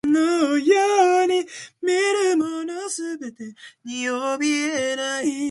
In times of flood, Tycannah Creek has been known to inundate some houses.